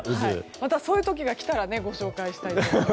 またそういう時が来たらご紹介したいと思います。